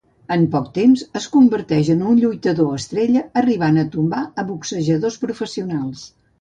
En poc temps, es converteix en un lluitador estrella, arribant a tombar a boxejadors professionals.